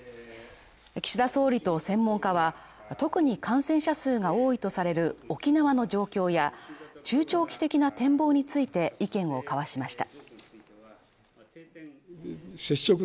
岸田総理と専門家は特に感染者数が多いとされる沖縄の状況や中長期的な展望について意見を交わしました。